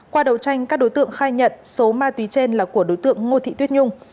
qua đầu tranh các đối tượng khai nhận số ma túy trên là của đối tượng ngô thị tuyết nhung